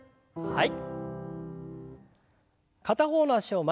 はい。